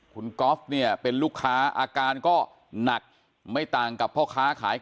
คุณก๊อฟเนี่ยเป็นลูกค้าอาการก็หนักไม่ต่างกับพ่อค้าขาย